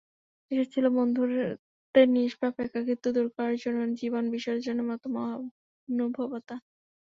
এসেছিল বন্ধুত্বের নিষ্পাপ একাকিত্ব দূর করার জন্য জীবন বিসর্জনের মতো মহানুভবতা।